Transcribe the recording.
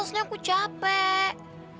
sebenernya aku capek